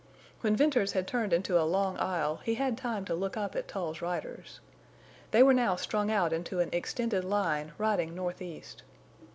When Venters had turned into a long aisle he had time to look up at Tull's riders. They were now strung out into an extended line riding northeast.